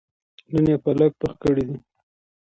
نن يې پالک پخ کړي دي